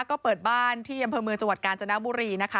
ก็เปิดบ้านที่อำเภอเมืองจังหวัดกาญจนบุรีนะคะ